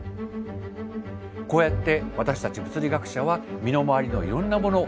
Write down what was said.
こうやって私たち物理学者は身の回りのいろんなもの